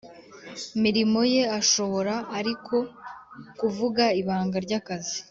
mirimo ye Ashobora ariko kuvuga ibanga ry akazi